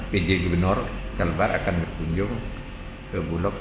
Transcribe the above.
pj gubernur kalbar akan berkunjung ke bulog